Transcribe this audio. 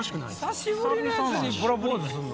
久しぶりの奴にプロポーズすんの？